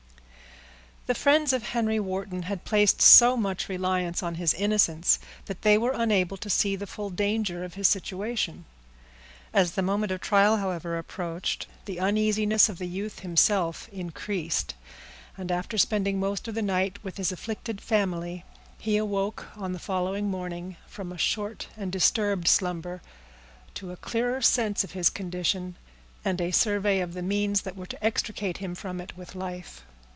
_ The friends of Henry Wharton had placed so much reliance on his innocence, that they were unable to see the full danger of his situation. As the moment of trial, however, approached, the uneasiness of the youth himself increased; and after spending most of the night with his afflicted family, he awoke, on the following morning, from a short and disturbed slumber, to a clearer sense of his condition, and a survey of the means that were to extricate him from it with life.